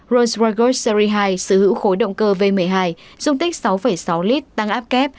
rolls royce golf series hai sử hữu khối động cơ v một mươi hai dùng tích sáu sáu lit tăng áp kép